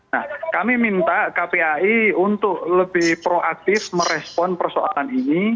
nah kami minta kpai untuk lebih proaktif merespon persoalan ini